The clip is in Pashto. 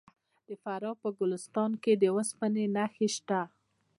د فراه په ګلستان کې د وسپنې نښې شته.